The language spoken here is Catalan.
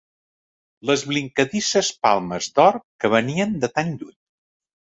Les vincladisses palmes d'or que venien de tan lluny.